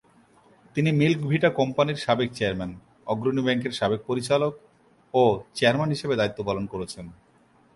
তিনি মিল্ক ভিটা কোম্পানির সাবেক চেয়ারম্যান, অগ্রণী ব্যাংকের সাবেক পরিচালক ও চেয়ারম্যান হিসেবে দায়িত্ব পালন করেছেন।